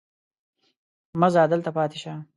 مه ځه دلته پاتې شه.